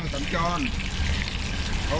สิครับ